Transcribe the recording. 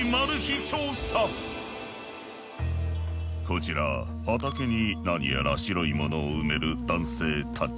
こちら畑に何やら白いものを埋める男性たち。